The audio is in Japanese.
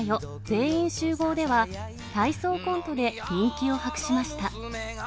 全員集合では、体操コントで人気を博しました。